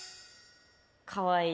かわいい。